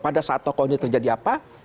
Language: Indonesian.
pada saat tokohnya terjadi apa